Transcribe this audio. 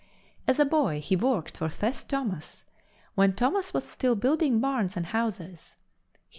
As a boy, he worked for Seth Thomas when Thomas was still building barns and houses.